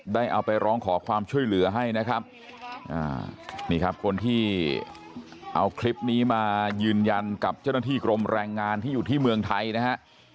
ได้เอาไปร้องขอความช่วยเหลือให้นะครับนี่ครับคนที่เอาคลิปนี้มายืนยันกับเจ้าหน้าที่กรมแรงงานที่อยู่ที่เมืองไทยนะฮะ